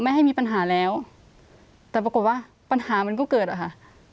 ให้มีปัญหาแล้วแต่ปรากฏว่าปัญหามันก็เกิดอะค่ะ